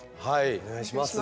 お願いします。